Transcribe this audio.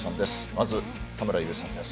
まず、田村優さんです。